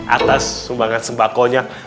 atas sumbangan sembakonya